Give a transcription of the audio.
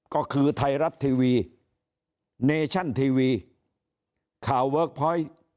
ก็คือไทยรัฐทีวีเนชั่นทีวีข่าวเวิร์คพอยต์